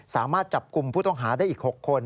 สามารถจับกลุ่มผู้ต้องหาได้อีก๖คน